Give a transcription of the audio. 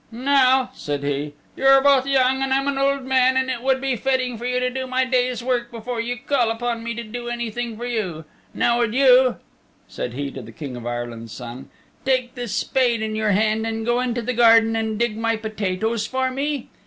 "Now," said he, "you're both young, and I'm an old man and it would be fitting for you to do my day's work before you call upon me to do anything for you. Now would you," said he to the King of Ireland's Son, "take this spade in your hand and go into the garden and dig my potatoes for me?